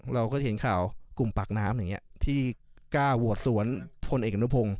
เราก็เห็นข่าวกลุ่มปากน้ำที่กล้าโหวตสวนคนเอกอันตุพงศ์